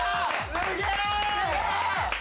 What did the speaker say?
すげえ！